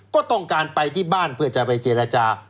ก็ต้องการไปที่บ้านเพื่อจะไปเจรจา